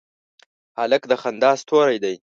هلک د خندا ستوری دی.